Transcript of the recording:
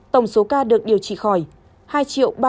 tổng số ca được điều trị khỏi hai ba trăm bảy mươi sáu bốn mươi sáu ca